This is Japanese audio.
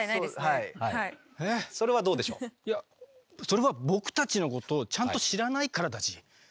それは僕たちのことをちゃんと知らないからだＧ。